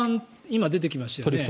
今、出てきましたよね。